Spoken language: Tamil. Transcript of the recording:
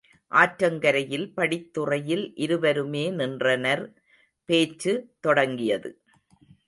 ஆற்றங்கரையில் படித்துறையில் இருவருமே நின்றனர், பேச்சு தொடங்கியது.